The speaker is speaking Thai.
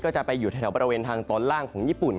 จะไปอยู่แถวบริเวณทางตอนล่างของญี่ปุ่น